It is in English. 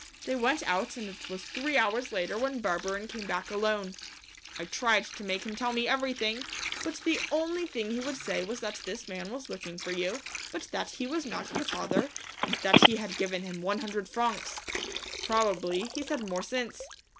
They went out and it was three hours later when Barberin came back alone. I tried to make him tell me everything, but the only thing he would say was that this man was looking for you, but that he was not your father, and that he had given him one hundred francs. Probably he's had more since.